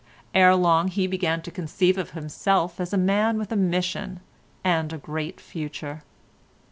Ere long he began to conceive of himself as a man with a mission and a great future.